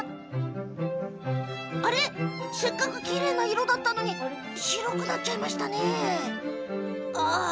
あれ、せっかくきれいな色だったのに白くなっちゃいました。